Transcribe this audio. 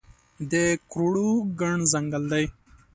د کروړو ګڼ ځنګل دی